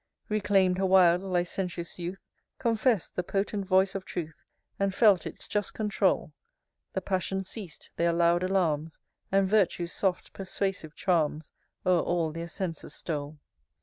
XII. Reclaim'd her wild licentious youth, Confess'd the potent voice of Truth, And felt its just controul. The Passions ceas'd their loud alarms, And Virtue's soft persuasive charms O'er all their senses stole.